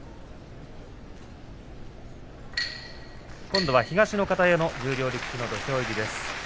今度は東の方屋の十両力士の土俵入りです。